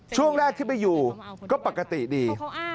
ช่วงแรกที่ไปอยู่ก็ปกติดี